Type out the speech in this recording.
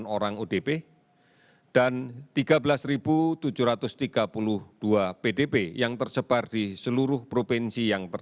tiga puluh delapan empat ratus sembilan puluh delapan orang udp dan tiga belas tujuh ratus tiga puluh dua pdb yang tersebar di seluruh provinsi yang